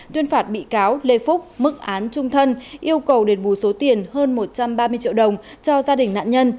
tuyên phạt bị cáo lê phúc mức án trung thân yêu cầu đền bù số tiền hơn một trăm ba mươi triệu đồng cho gia đình nạn nhân